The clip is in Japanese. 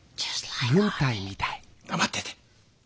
黙ってて！